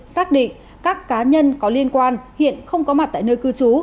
xác định các cá nhân có liên quan hiện không có mặt tại nơi cư trú